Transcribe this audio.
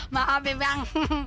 maaf ya bang